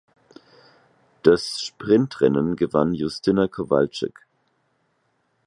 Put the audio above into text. Das Sprintrennen gewann Justyna Kowalczyk.